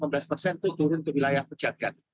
tujuh belas ke delapan belas itu turun ke wilayah pejabat